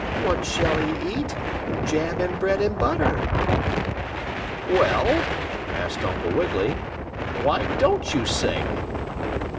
What shall he eat? Jam and bread and butter.'" "Well?" asked Uncle Wiggily. "Why don't you sing?"